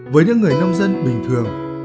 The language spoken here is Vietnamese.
với những người nông dân bình thường